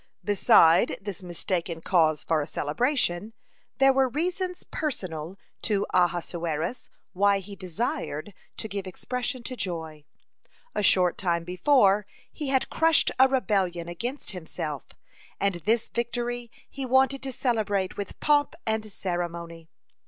(5) Beside this mistaken cause for a celebration, there were reasons personal to Ahasuerus why he desired to give expression to joy. A short time before, he had crushed a rebellion against himself, and this victory he wanted to celebrate with pomp and ceremony.